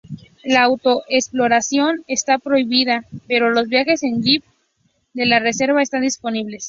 La Auto-exploración está prohibida, pero los viajes en Jeep de la reserva están disponibles.